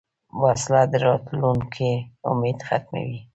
وسله د راتلونکې امید ختموي